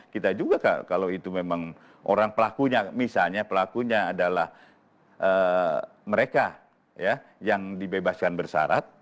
kita juga kalau itu memang orang pelakunya misalnya pelakunya adalah mereka yang dibebaskan bersarat